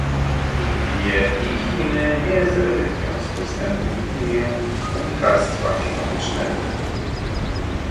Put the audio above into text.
Indie i Chiny nie zrezygnują z postępu w imię panikarstwa klimatycznego